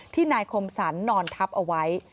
นายคมสรรนอนทับเอาไว้